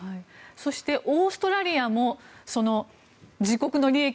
そして、オーストラリアも自国の利益